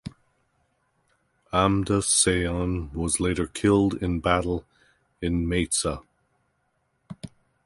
Amda Seyon was later killed in battle in Maitsa.